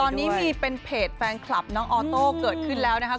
ตอนนี้มีเป็นเพจแฟนคลับน้องออโต้เกิดขึ้นแล้วนะครับ